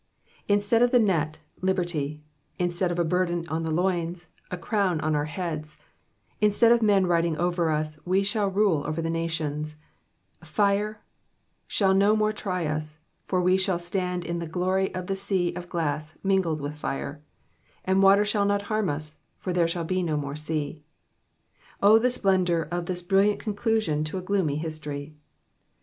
Instead of the net, liberty ; Instead of a burden on the loins, a crown on our heads ; instead of men riding over us, wo shall rule over the nations : fire shall no more try us, for we shall stand in glory on the sea of glass mingled with fire ; and water shall not harm us, for there shall be no more sea. O the splendour of this brilliant conclu aion to a gloomy history.